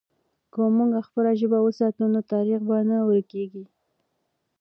که موږ خپله ژبه وساتو، نو تاریخ به نه ورکېږي.